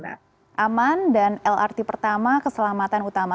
aman dan lrt pertama keselamatan utama